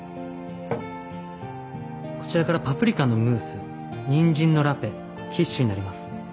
こちらからパプリカのムースにんじんのラペキッシュになります。